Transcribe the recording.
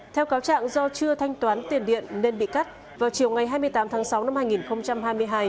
theo cáo trạng do chưa thanh toán tiền điện nên bị cắt vào chiều ngày hai mươi tám tháng sáu năm hai nghìn hai mươi hai